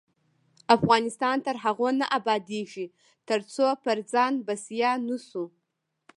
افغانستان تر هغو نه ابادیږي، ترڅو پر ځان بسیا نشو.